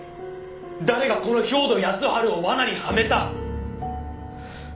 「誰がこの兵働耕春を罠にはめた！？」